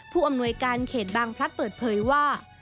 ผู้อำนวยการเขตบางพลัดเปิดเผยว่า